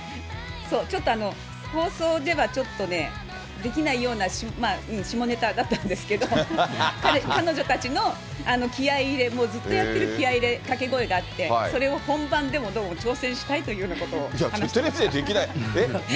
そうちょっと、放送ではちょっとね、できないような下ネタだったんですけど、彼女たちの気合い入れ、もうずっとやってる気合い入れ、掛け声があって、それを本番でもどうも挑戦したいというようなことを話していましテレビでできない、え？